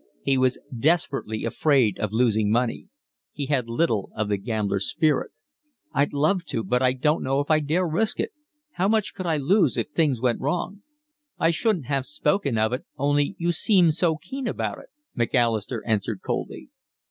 He was desperately afraid of losing money. He had little of the gambler's spirit. "I'd love to, but I don't know if I dare risk it. How much could I lose if things went wrong?" "I shouldn't have spoken of it, only you seemed so keen about it," Macalister answered coldly.